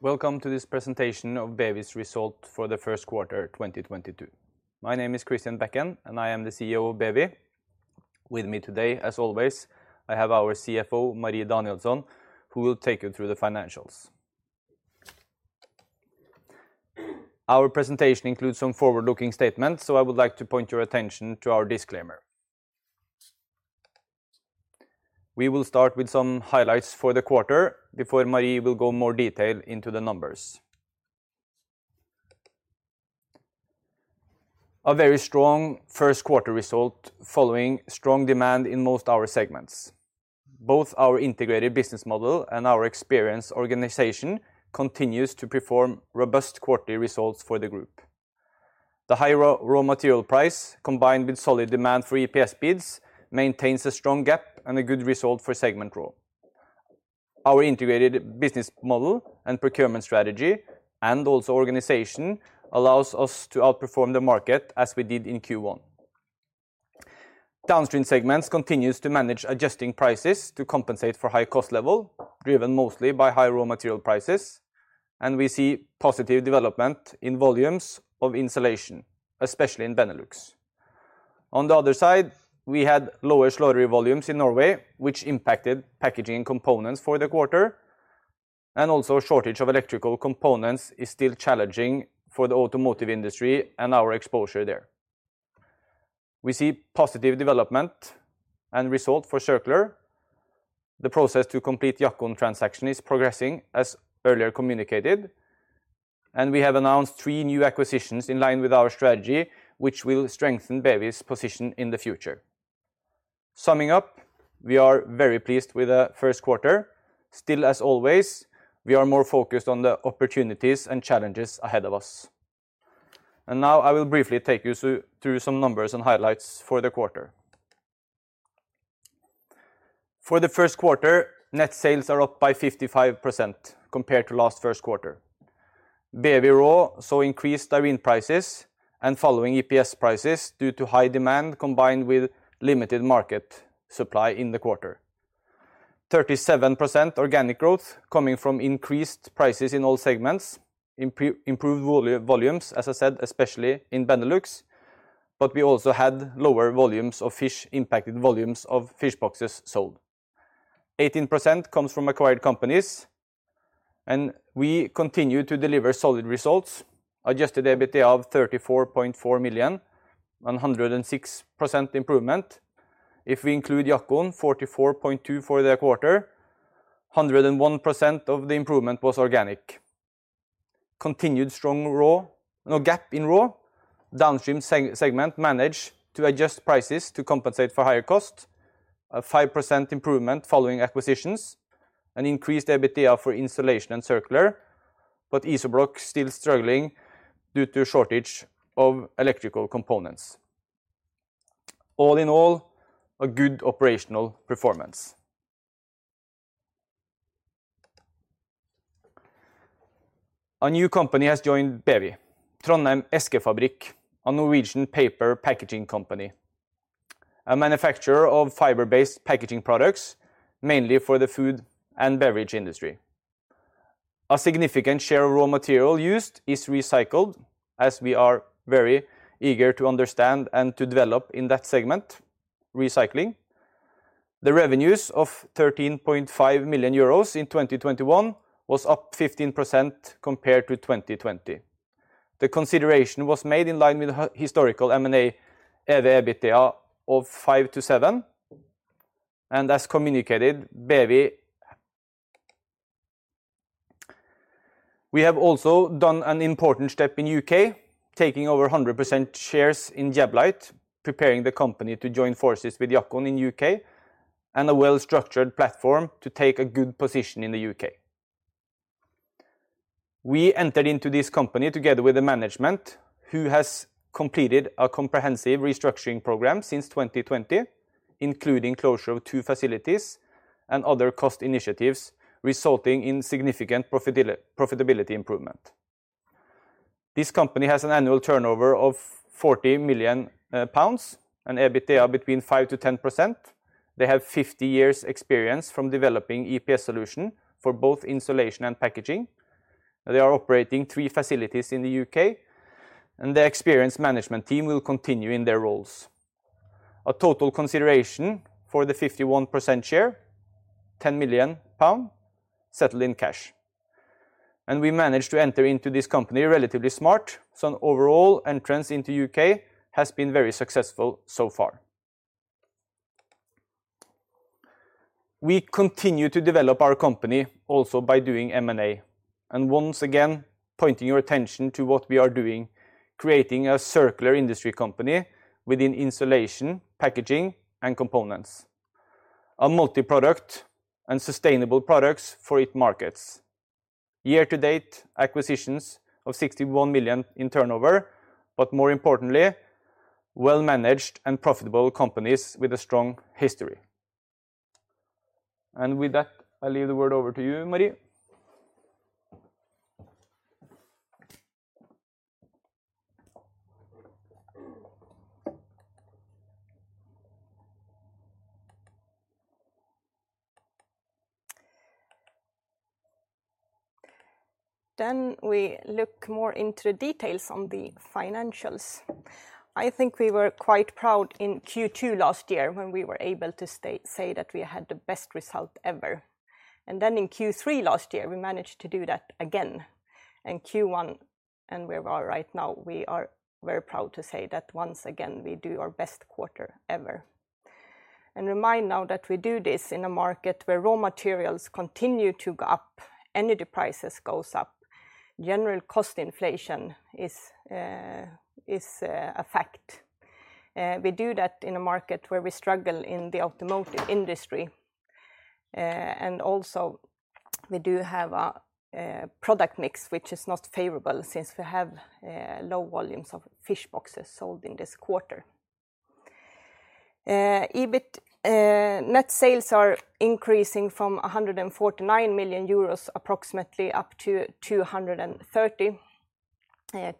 Welcome to this presentation of BEWI's result for the first quarter 2022. My name is Christian Bekken, and I am the CEO of BEWI. With me today, as always, I have our CFO, Marie Danielsson, who will take you through the financials. Our presentation includes some forward-looking statements, so I would like to point your attention to our disclaimer. We will start with some highlights for the quarter before Marie will go into more detail into the numbers. A very strong first quarter result following strong demand in most of our segments. Both our integrated business model and our experienced organization continues to perform robust quarterly results for the group. The high raw material price, combined with solid demand for EPS beads, maintains a strong margin and a good result for segment Raw. Our integrated business model and procurement strategy, and also organization, allows us to outperform the market as we did in Q1. Downstream segments continues to manage adjusting prices to compensate for high cost level, driven mostly by high raw material prices, and we see positive development in volumes of insulation, especially in Benelux. On the other side, we had lower slaughter volumes in Norway, which impacted packaging components for the quarter. A shortage of electrical components is still challenging for the automotive industry and our exposure there. We see positive development and result for Circular. The process to complete the Jackon transaction is progressing as earlier communicated, and we have announced three new acquisitions in line with our strategy, which will strengthen BEWI's position in the future. Summing up, we are very pleased with the first quarter. Still as always, we are more focused on the opportunities and challenges ahead of us. Now I will briefly take you through some numbers and highlights for the quarter. For the first quarter, net sales are up by 55% compared to last first quarter. BEWI RAW saw increased styrene prices and following EPS prices due to high demand combined with limited market supply in the quarter. 37% organic growth coming from increased prices in all segments, improved volumes, as I said, especially in Benelux, but we also had lower volumes of fish impacted volumes of fish boxes sold. 18% comes from acquired companies, and we continue to deliver solid results. Adjusted EBITDA of 34.4 million, 106% improvement. If we include Jackon, 44.2 million for the quarter, 101% of the improvement was organic. Continued strong RAW... No gap in RAW. Downstream segment managed to adjust prices to compensate for higher cost. A 5% improvement following acquisitions. An increased EBITDA for Insulation and Circular, but IZOBLOK still struggling due to a shortage of electrical components. All in all, a good operational performance. A new company has joined BEWI, Trondhjems Eskefabrikk, a Norwegian paper packaging company, a manufacturer of fiber-based packaging products, mainly for the food and beverage industry. A significant share of raw material used is recycled, as we are very eager to understand and to develop in that segment, recycling. The revenues of 13.5 million euros in 2021 was up 15% compared to 2020. The consideration was made in line with historical M&A EV/EBITDA of five to seven, and as communicated, BEWI. We have also done an important step in U.K., taking over 100% shares in Jablite, preparing the company to join forces with Jackon in U.K. and a well-structured platform to take a good position in the U.K. We entered into this company together with the management, who has completed a comprehensive restructuring program since 2020, including closure of two facilities and other cost initiatives, resulting in significant profitability improvement. This company has an annual turnover of 40 million pounds and EBITDA between 5%-10%. They have 50 years experience from developing EPS solution for both insulation and packaging. They are operating three facilities in the U.K., and the experienced management team will continue in their roles. A total consideration for the 51% share, 10 million pound settled in cash. We managed to enter into this company relatively smart, so an overall entrance into U.K. has been very successful so far. We continue to develop our company also by doing M&A, and once again, pointing your attention to what we are doing, creating a circular industry company within insulation, packaging, and components, a multi-product and sustainable products for its markets. Year-to-date acquisitions of 61 million in turnover, but more importantly, well-managed and profitable companies with a strong history. With that, I leave the word over to you, Marie. We look more into the details on the financials. I think we were quite proud in Q2 last year when we were able to say that we had the best result ever. Then in Q3 last year, we managed to do that again. Q1, where we are right now, we are very proud to say that once again, we do our best quarter ever. Remind now that we do this in a market where raw materials continue to go up, energy prices goes up, general cost inflation is a fact. We do that in a market where we struggle in the automotive industry, and also we do have a product mix which is not favorable since we have low volumes of fish boxes sold in this quarter. EBIT, net sales are increasing from 149 million euros approximately up to 230 million.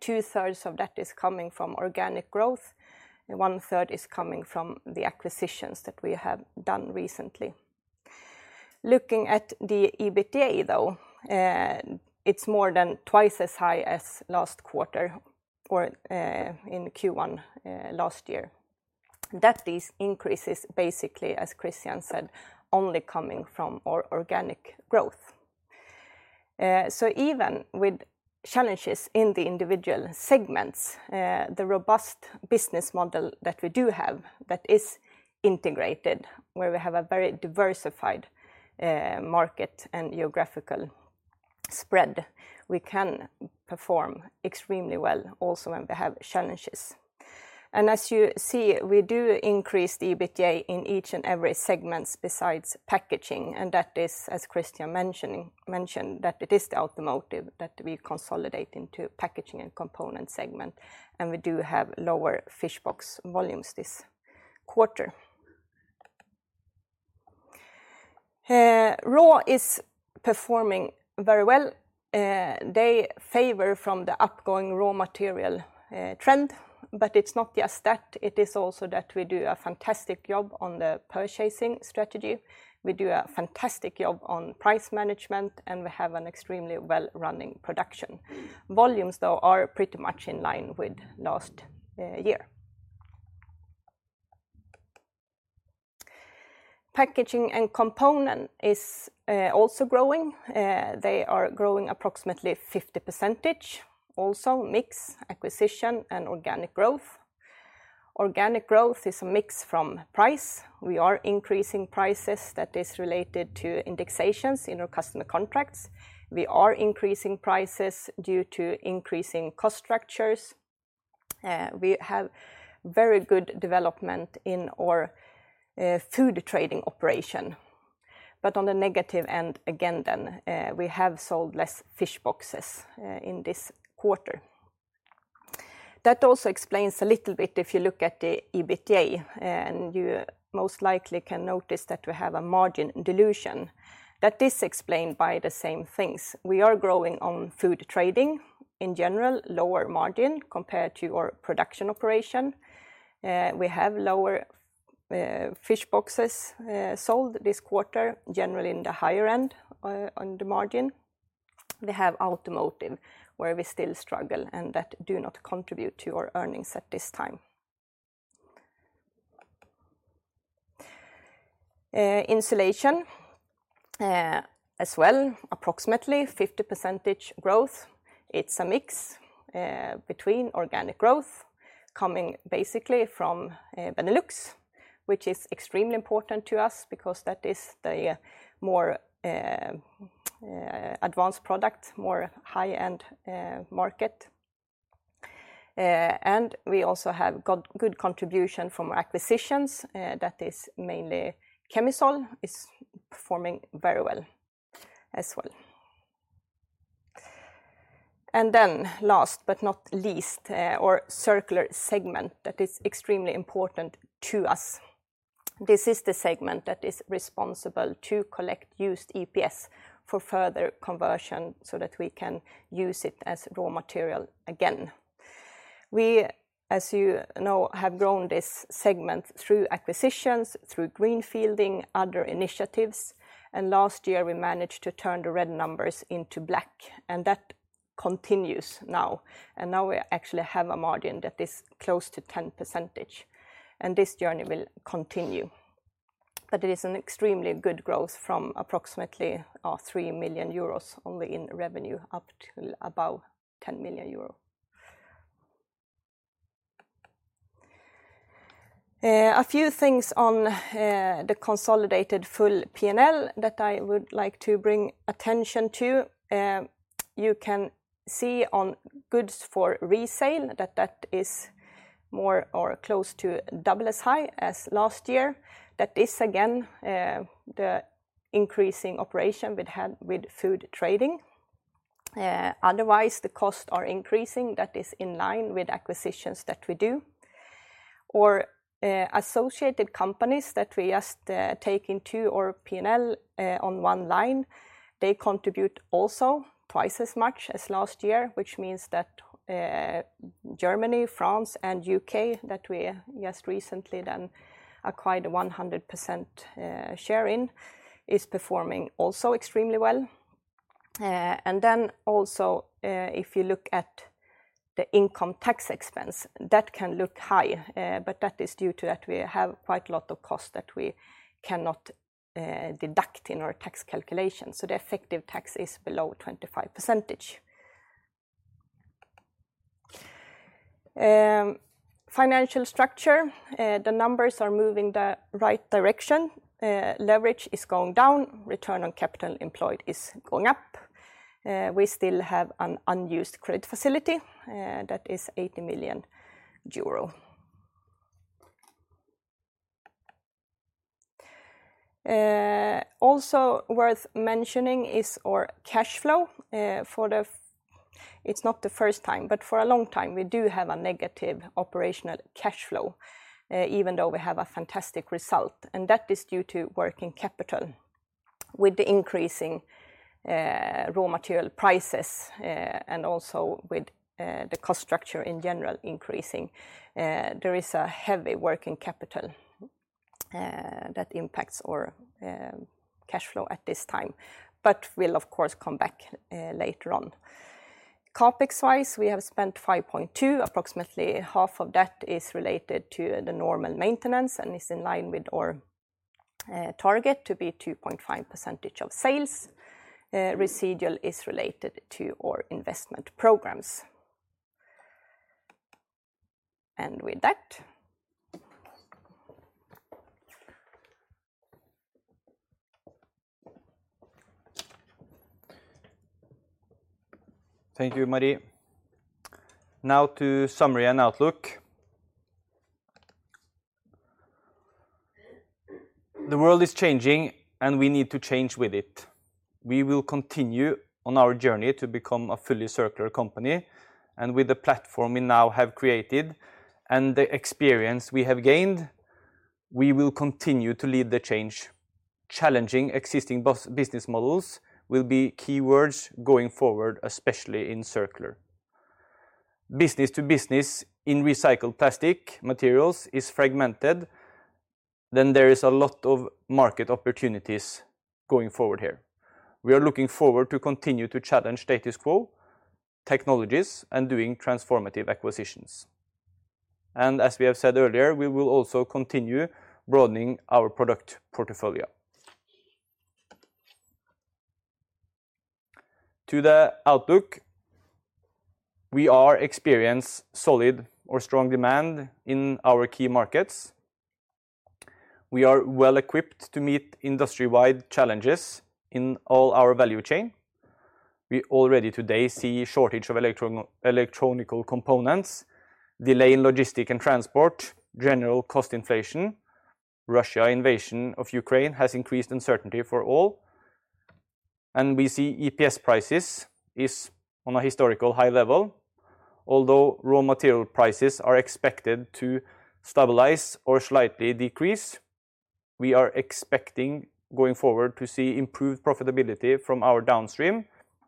2/3 of that is coming from organic growth, and 1/3 is coming from the acquisitions that we have done recently. Looking at the EBITDA though, it's more than twice as high as last quarter or in Q1 last year. That is increases basically, as Christian said, only coming from organic growth. Even with challenges in the individual segments, the robust business model that we do have that is integrated, where we have a very diversified market and geographical spread, we can perform extremely well also when we have challenges. As you see, we do increase the EBITDA in each and every segments besides packaging, and that is, as Christian mentioned, that it is the automotive that we consolidate into packaging and component segment, and we do have lower fish box volumes this quarter. RAW is performing very well. They benefit from the upcoming raw material trend, but it's not just that, it is also that we do a fantastic job on the purchasing strategy. We do a fantastic job on price management, and we have an extremely well-running production. Volumes though are pretty much in line with last year. Packaging and component is also growing. They are growing approximately 50%, also a mix of acquisition and organic growth. Organic growth is a mix from price. We are increasing prices that is related to indexations in our customer contracts. We are increasing prices due to increasing cost structures. We have very good development in our food trading operation. On the negative end, again then, we have sold less fish boxes in this quarter. That also explains a little bit if you look at the EBITDA, and you most likely can notice that we have a margin dilution. That is explained by the same things. We are growing on food trading, in general, lower margin compared to our production operation. We have lower fish boxes sold this quarter, generally in the higher end on the margin. We have automotive, where we still struggle, and that do not contribute to our earnings at this time. Insulation, as well, approximately 50% growth. It's a mix between organic growth coming basically from Benelux, which is extremely important to us because that is the more advanced product, more high-end market. We also have got good contribution from acquisitions that is mainly Kemisol is performing very well as well. Last but not least, our circular segment that is extremely important to us. This is the segment that is responsible to collect used EPS for further conversion so that we can use it as raw material again. We, as you know, have grown this segment through acquisitions, through greenfield, other initiatives, and last year, we managed to turn the red numbers into black, and that continues now. We actually have a margin that is close to 10%, and this journey will continue. It is an extremely good growth from approximately 3 million euros only in revenue up to about 10 million euros. A few things on the consolidated full P&L that I would like to bring attention to. You can see on goods for resale that that is more or close to double as high as last year. That is again the increasing operation we'd had with food trading. Otherwise, the costs are increasing. That is in line with acquisitions that we do. Associated companies that we just take into our P&L on one line, they contribute also twice as much as last year, which means that Germany, France, and U.K. that we just recently then acquired a 100% share in is performing also extremely well. If you look at the income tax expense, that can look high, but that is due to that we have quite a lot of costs that we cannot deduct in our tax calculation, so the effective tax is below 25%. Financial structure, the numbers are moving in the right direction. Leverage is going down, return on capital employed is going up. We still have an unused credit facility that is 80 million euro. Also worth mentioning is our cash flow. It's not the first time, but for a long time we do have a negative operational cash flow, even though we have a fantastic result, and that is due to working capital. With the increasing raw material prices, and also with the cost structure in general increasing, there is a heavy working capital that impacts our cash flow at this time, but will of course come back later on. CapEx-wise, we have spent 5.2. Approximately half of that is related to the normal maintenance and is in line with our target to be 2.5% of sales. Residual is related to our investment programs. With that. Thank you, Marie. Now to summary and outlook. The world is changing, and we need to change with it. We will continue on our journey to become a fully circular company, and with the platform we now have created and the experience we have gained, we will continue to lead the change. Challenging existing business models will be key words going forward, especially in Circular. Business to business in recycled plastic materials is fragmented, then there is a lot of market opportunities going forward here. We are looking forward to continue to challenge status quo, technologies, and doing transformative acquisitions. As we have said earlier, we will also continue broadening our product portfolio. To the outlook, we are experiencing solid or strong demand in our key markets. We are well-equipped to meet industry-wide challenges in all our value chain. We already today see shortage of electronic components, delay in logistics and transport, general cost inflation. Russia's invasion of Ukraine has increased uncertainty for all. We see EPS prices is on a historical high level. Although raw material prices are expected to stabilize or slightly decrease, we are expecting going forward to see improved profitability from our downstream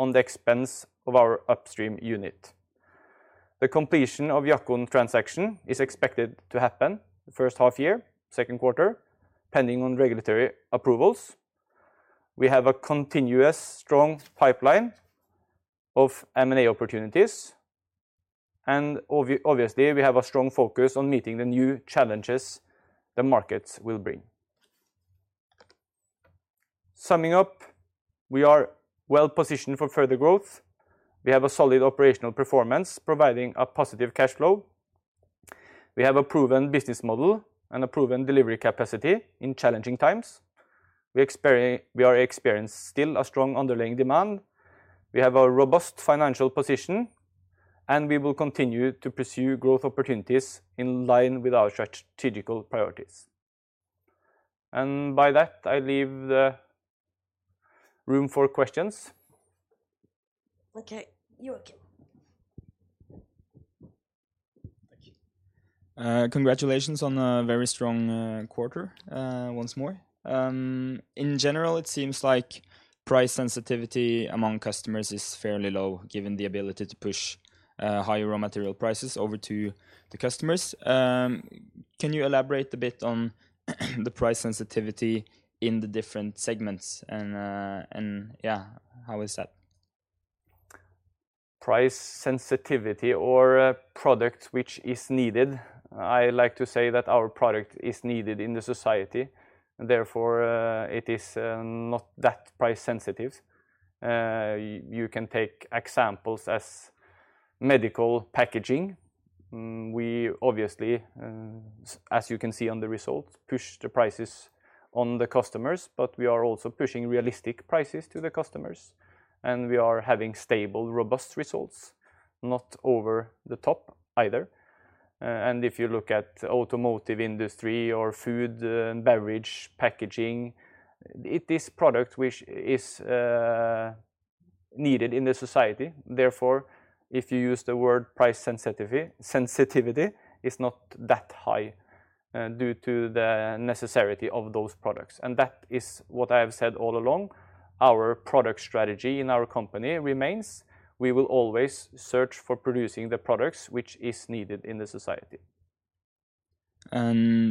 at the expense of our upstream unit. The completion of Jackon transaction is expected to happen the first half year, second quarter, pending regulatory approvals. We have a continuous strong pipeline of M&A opportunities, and obviously, we have a strong focus on meeting the new challenges the markets will bring. Summing up, we are well-positioned for further growth. We have a solid operational performance providing a positive cash flow. We have a proven business model and a proven delivery capacity in challenging times. We are experiencing still a strong underlying demand. We have a robust financial position, and we will continue to pursue growth opportunities in line with our strategic priorities. By that, I leave the room for questions. Okay. Joachim. Thank you. Congratulations on a very strong quarter once more. In general, it seems like price sensitivity among customers is fairly low, given the ability to push high raw material prices over to the customers. Can you elaborate a bit on the price sensitivity in the different segments and yeah, how is that? Price sensitivity or a product which is needed, I like to say that our product is needed in the society, therefore, it is not that price sensitive. You can take examples as medical packaging. We obviously, as you can see on the results, push the prices on the customers, but we are also pushing realistic prices to the customers, and we are having stable, robust results, not over the top either. If you look at automotive industry or food and beverage packaging, it is product which is needed in the society. Therefore, if you use the word price sensitivity is not that high, due to the necessity of those products, and that is what I have said all along. Our product strategy in our company remains. We will always search for producing the products which is needed in the society.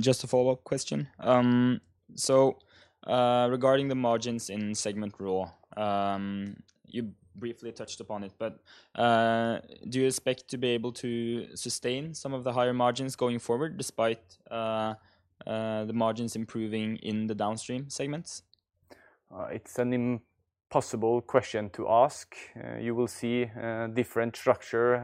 Just a follow-up question. Regarding the margins in segment RAW, you briefly touched upon it, but do you expect to be able to sustain some of the higher margins going forward despite the margins improving in the downstream segments? It's an impossible question to ask. You will see different structure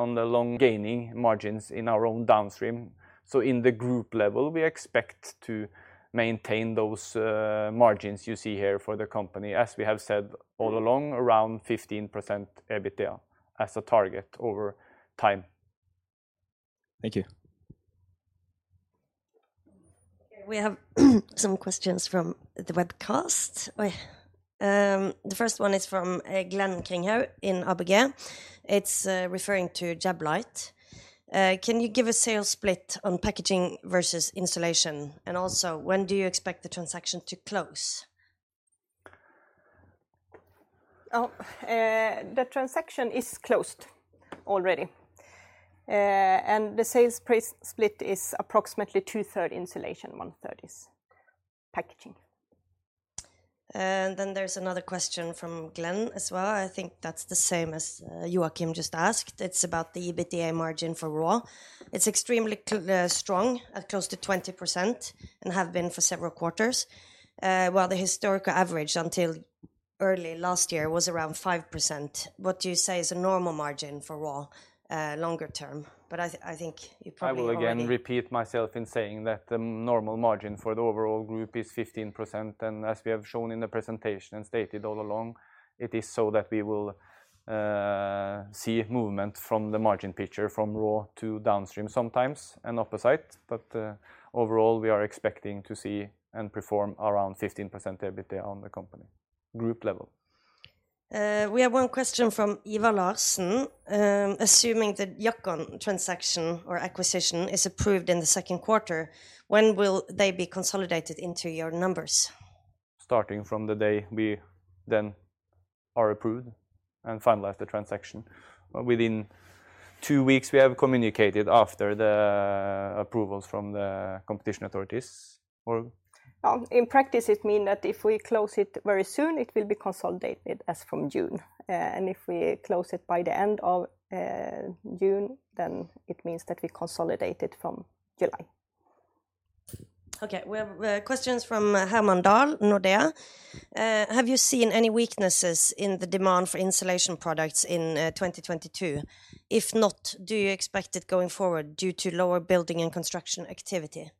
on the long gaining margins in our own downstream. In the group level, we expect to maintain those margins you see here for the company, as we have said all along, around 15% EBITDA as a target over time. Thank you. Okay, we have some questions from the webcast. The first one is from Glenn Ringheim in ABG. It's referring to Jablite. Can you give a sales split on packaging versus insulation? When do you expect the transaction to close? The transaction is closed already. The sales split is approximately 2/3 insulation, 1/3 is packaging. Then there's another question from Glenn as well. I think that's the same as Joachim just asked. It's about the EBITDA margin for RAW. It's extremely strong at close to 20% and have been for several quarters, while the historical average until early last year was around 5%. What do you say is a normal margin for RAW longer term? I think you probably already. I will again repeat myself in saying that the normal margin for the overall group is 15%, and as we have shown in the presentation and stated all along, it is so that we will see movement from the margin picture from raw to downstream sometimes and opposite. Overall, we are expecting to see and perform around 15% EBITDA on the company group level. We have one question from Eva Larsson. Assuming the Jackon transaction or acquisition is approved in the second quarter, when will they be consolidated into your numbers? Starting from the day we then are approved and finalize the transaction. Within two weeks, we have communicated after the approvals from the competition authorities or. Well, in practice, it mean that if we close it very soon, it will be consolidated as from June. If we close it by the end of June, then it means that we consolidate it from July. Okay. We have questions from Herman Dahl, Nordea. Have you seen any weaknesses in the demand for insulation products in 2022? If not, do you expect it going forward due to lower building and construction activity?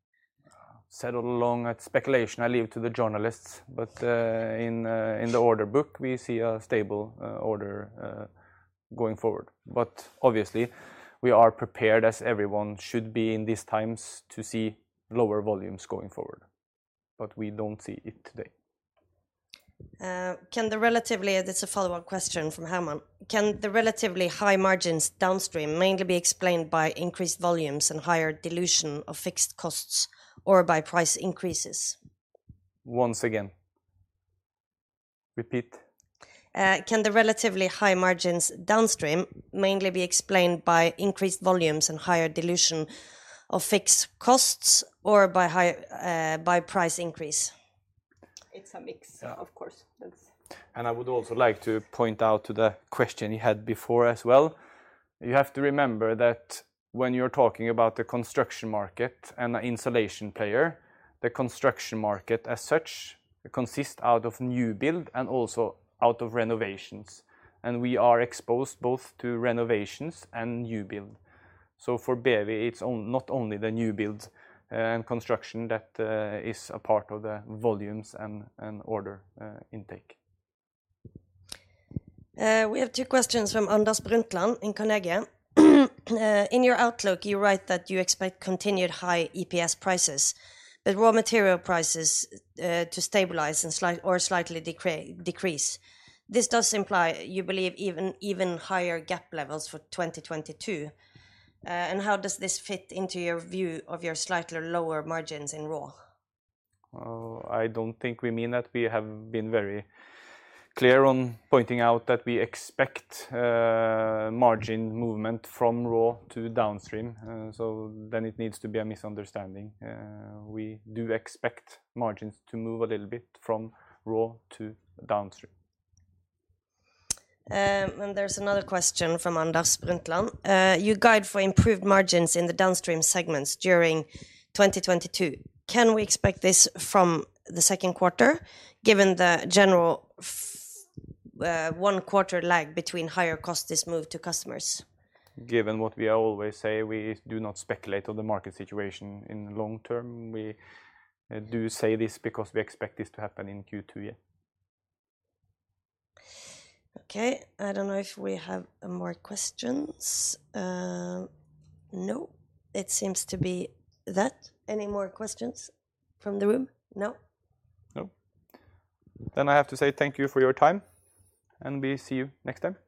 Said all along that speculation I leave to the journalists, but in the order book, we see a stable order going forward. Obviously we are prepared as everyone should be in these times to see lower volumes going forward, but we don't see it today. This is a follow-up question from Herman Dahl. Can the relatively high margins downstream mainly be explained by increased volumes and higher dilution of fixed costs or by price increases? Once again, repeat. Can the relatively high margins downstream mainly be explained by increased volumes and higher dilution of fixed costs or by high price increase? It's a mix. Yeah Of course. I would also like to point out to the question you had before as well. You have to remember that when you're talking about the construction market and the insulation player, the construction market as such consists of new build and also of renovations, and we are exposed both to renovations and new build. For BEWI, it's not only the new builds and construction that is a part of the volumes and order intake. We have two questions from Anders Brundtland in Carnegie. In your outlook, you write that you expect continued high EPS prices, but raw material prices to stabilize and slightly decrease. This does imply you believe even higher CapEx levels for 2022. How does this fit into your view of your slightly lower margins in RAW? Oh, I don't think we mean that. We have been very clear on pointing out that we expect margin movement from raw to downstream. It needs to be a misunderstanding. We do expect margins to move a little bit from raw to downstream. There's another question from Anders Brundtland. Your guidance for improved margins in the downstream segments during 2022. Can we expect this from the second quarter, given the general one quarter lag between higher costs being moved to customers? Given what we always say, we do not speculate on the market situation in long term. We do say this because we expect this to happen in Q2, yeah. Okay. I don't know if we have more questions. No, it seems to be that. Any more questions from the room? No? No. I have to say thank you for your time, and we see you next time.